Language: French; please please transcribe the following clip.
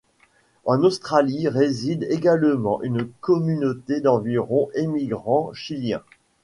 En Australie réside également une communauté d'environ émigrants chiliens.